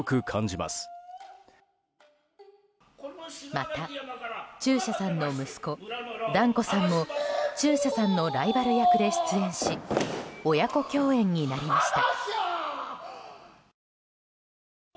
また、中車さんの息子團子さんも中車さんのライバル役で出演し親子共演になりました。